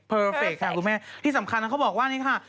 เฟคค่ะคุณแม่ที่สำคัญนะเขาบอกว่านี่ค่ะ